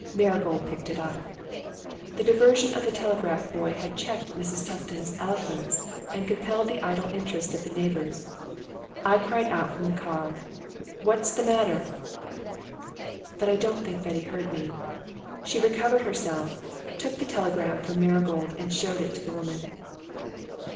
Marigold picked it up. The diversion of the telegraph boy had checked Mrs. Tufton's eloquence and compelled the idle interest of the neighbours. I cried out from the car: "What's the matter?" But I don't think Betty heard me. She recovered herself, took the telegram from Marigold, and showed it to the woman.